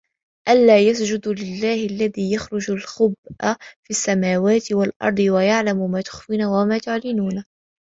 أَلّا يَسجُدوا لِلَّهِ الَّذي يُخرِجُ الخَبءَ فِي السَّماواتِ وَالأَرضِ وَيَعلَمُ ما تُخفونَ وَما تُعلِنونَ